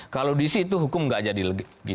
kalau di situ hukum nggak jadi